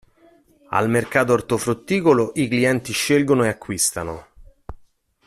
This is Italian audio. Al mercato ortofrutticolo i clienti scelgono e acquistano.